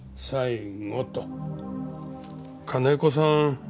金子さん